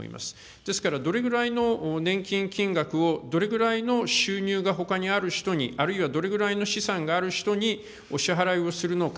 ですからどれぐらいの年金金額を、どれぐらいの収入がほかにある人に、あるいはどれぐらいの資産がある人にお支払いをするのか。